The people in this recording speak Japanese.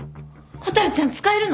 蛍ちゃん使えるの！？